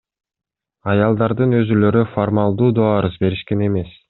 Аялдардын өзүлөрү формалдуу доо арыз беришкен эмес.